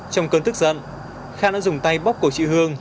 trong cơn tức giận khan đã dùng tay bóc cổ chị hương